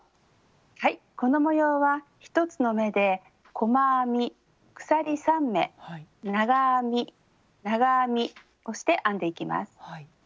はいこの模様は１つの目で細編み鎖３目長編み長編みをして編んでいきます。